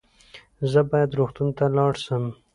زه باید روغتون ته ولاړ سم